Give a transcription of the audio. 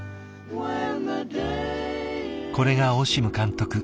これがオシム監督